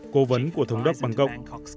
cố vấn của thống đốc bangkok